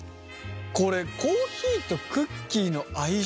これコーヒーとクッキーの相性。